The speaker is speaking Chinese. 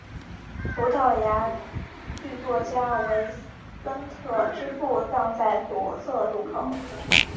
葡萄牙剧作家维森特之父葬在左侧入口。